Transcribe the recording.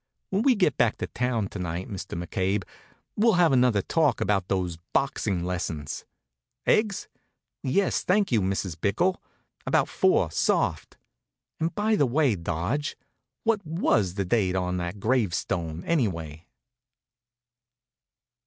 When we get back to town to night, Mr. McCabe, we'll have another talk about those boxing lessons. Eggs? Yes, thank you, Mrs. Bickell; about four, soft. And by the way, Dodge, what was the date on that gravestone, anyway?"